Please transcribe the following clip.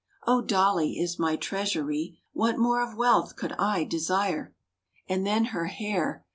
— Oh, Dolly is my treasury! What more of wealth could I desire? And then her hair!